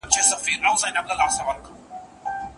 و هندوستان ته دې بيا کړی دی هجرت شېرينې